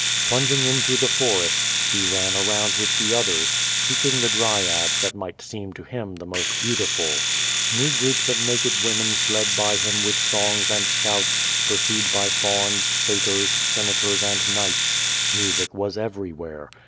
Plunging into the forest, he ran around with the others, seeking the dryad that might seem to him most beautiful. New groups of naked women fled by him with songs and shouts, pursued by fauns, satyrs, senators and knights. Music was everywhere.